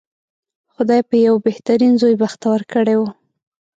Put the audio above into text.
خدای په یوه بهترین زوی بختور کړی و.